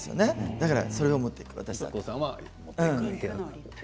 だからそれを持っていく。